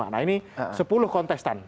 nah ini sepuluh kontestan